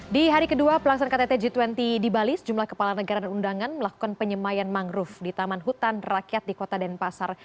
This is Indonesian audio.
di hari kedua pelaksanaan ktt g dua puluh di bali sejumlah kepala negara dan undangan melakukan penyemayan mangrove di taman hutan rakyat di kota denpasar